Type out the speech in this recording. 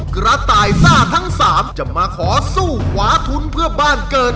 กระต่ายซ่าทั้ง๓จะมาขอสู้ขวาทุนเพื่อบ้านเกิด